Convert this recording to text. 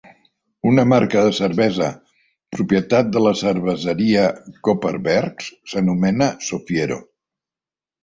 Una marca de cervesa propietat de la Cerveseria Kopparbergs s'anomena "Sofiero".